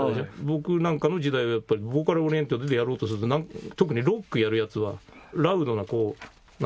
僕なんかの時代はやっぱりボーカル・オリエンテッドでやろうとすると特にロックやるヤツはラウドななんていうのかな。